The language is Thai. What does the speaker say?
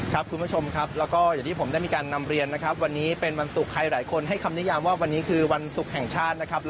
คุณผู้ชมครับแล้วก็อย่างที่ผมได้มีการนำเรียนนะครับวันนี้เป็นวันศุกร์ใครหลายคนให้คำนิยามว่าวันนี้คือวันศุกร์แห่งชาตินะครับ